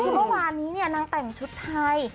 วันนี้เนี่ยนางแต่งชุดทาย